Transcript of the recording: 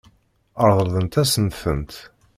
Ṛeḍlent-asen-tent.